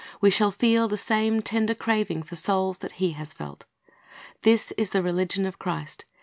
We shall feel the same tender craving for souls that He has felt. This is the religion of Christ.